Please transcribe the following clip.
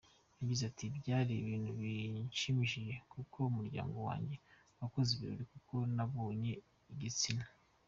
Yagize ati “Byari ibintu bishimishije kuko umuryango wanjye wakoze ibirori kuko nabonye igitsina.